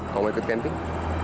kamu mau ikut camping